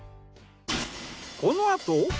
このあと。